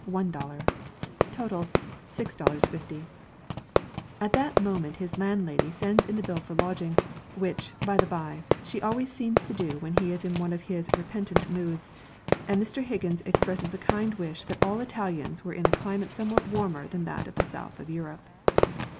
00 Total, 6.50 At that moment his land lady sends in the bill for lodging, which, by the by, she always seems to do when he is in one of his repentant moods, and Mr. Higgins expresses a kind wish that all Italians were in a climate somewhat warmer than that of the south of Europe.